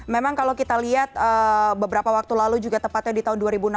memang kalau kita lihat beberapa waktu lalu juga tepatnya di tahun dua ribu enam belas